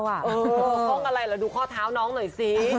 ห้องอะไรล่ะดูข้อเท้าน้องหน่อยสิ